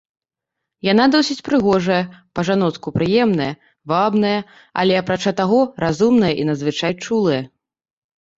Яна досыць прыгожая, па-жаноцку прыемная, вабная, але, апрача таго, разумная і надзвычай чулая.